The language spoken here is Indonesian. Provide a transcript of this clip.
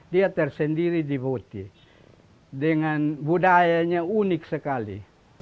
dia tersendiri di boti dengan budayanya unik sekali